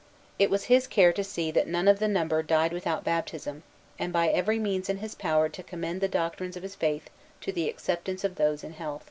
It was his care to see that none of the number died without baptism, and by every means in his power to commend the doctrines of his faith to the acceptance of those in health.